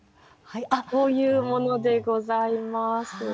はいこういうものでございます。